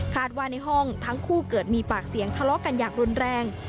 ว่าในห้องทั้งคู่เกิดมีปากเสียงทะเลาะกันอย่างรุนแรง